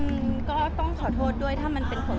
แม็กซ์ก็คือหนักที่สุดในชีวิตเลยจริง